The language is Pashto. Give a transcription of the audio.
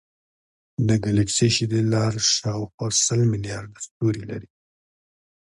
د ګلکسي شیدې لار شاوخوا سل ملیارده ستوري لري.